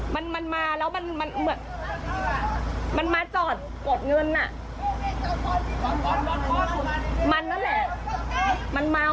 มันมาแล้วมันมาจอดกดเงินน่ะ